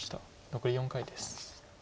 残り４回です。